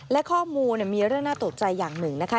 และข้อมูลมีเรื่องน่าตกใจอย่างหนึ่งนะคะ